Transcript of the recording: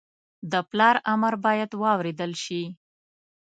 د پلار امر باید واورېدل شي